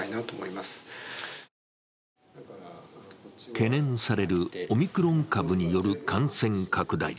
懸念されるオミクロン株による感染拡大。